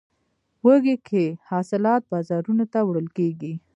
وږی کې حاصلات بازارونو ته وړل کیږي.